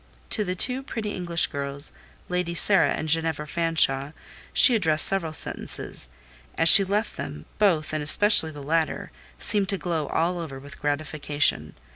To the two pretty English girls, Lady Sara and Ginevra Fanshawe, she addressed several sentences; as she left them, both, and especially the latter, seemed to glow all over with gratification.